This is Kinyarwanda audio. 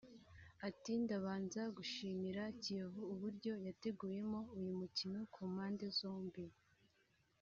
Ati “Ndabanza gushimira Kiyovu uburyo yateguyemo uyu mukino ku mpande zombi